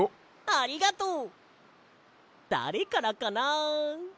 ありがとう！だれからかな。